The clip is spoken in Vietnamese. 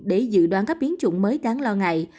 để dự đoán các biến chủng mới đáng lo ngại